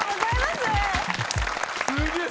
すげえ。